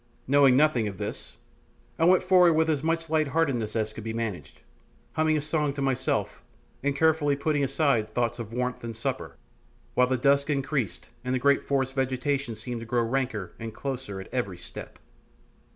Knowing nothing of this, I went forward with as much lightheartedness as could be managed, humming a song to myself, and carefully putting aside thoughts of warmth and supper, while the dusk increased and the great forest vegetation seemed to grow ranker and closer at every step.